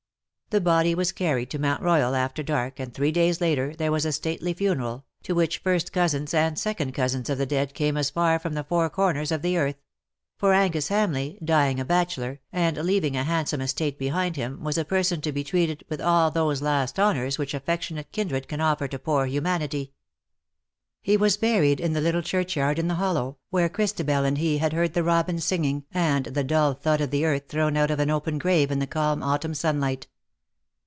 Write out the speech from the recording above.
^^ The body was carried to Mount Royal after darkj and three days later there was a stately funeralj to which first cousins and second cousins of the dead came as from the four corners of the earth ; for Angus Hamleigh, djing a bachelor, and leaving a handsome estate behind him, was a person to be treated with all those last honours which affectionate kindred can offer to poor humanity. 62 " DUST TO DUST." He was buried in the little diurchyard in the hollow^ where Christabel and he had heard the robin singing and the dull thud of the earth thrown out of an open grave in the calm autumn sunlight.